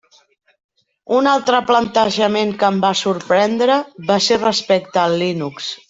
Un altre plantejament que em va sorprendre va ser respecte al Linux.